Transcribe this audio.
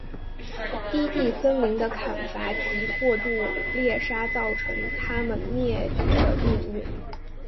低地森林的砍伐及过度猎杀造成它们灭绝的命运。